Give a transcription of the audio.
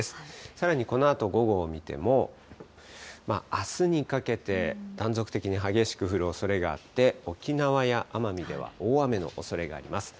さらに、このあと午後を見ても、あすにかけて、断続的に激しく降るおそれがあって、沖縄や奄美では、大雨のおそれがあります。